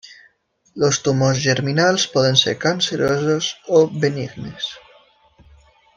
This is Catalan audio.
Els tumors germinals poden ser cancerosos o benignes.